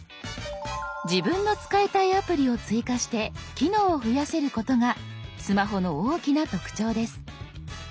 自分の使いたいアプリを追加して機能を増やせることがスマホの大きな特徴です。